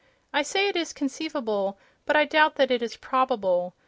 I say it is conceivable, but I doubt that it is probable.